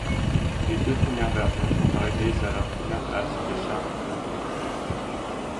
Les deux premières versions sont arrivés à la première place des charts country.